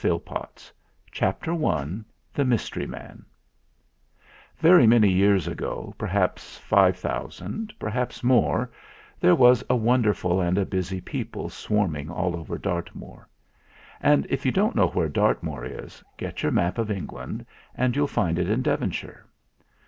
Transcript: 330 THE FLINT HEART CHAPTER I THE MYSTERY MAN Very many years ago perhaps five thou sand, perhaps more there was a wonderful and a busy people swarming all over Dart moor. And if you don't know where Dart moor is, get your map of England, and you'll find it in Devonshire.